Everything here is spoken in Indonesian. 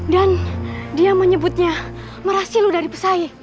dan dia menyebutnya meraslu dari pesaing